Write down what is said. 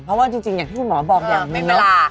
เพราะว่าจริงอย่างที่คุณหมอบอกอย่างมีเวลา